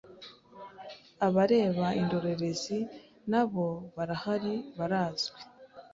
Abareba indorerezi nabo barahari barazwi